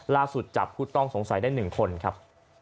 ล่าสุดจับผู้ต้องสงสัยได้๑คนครับ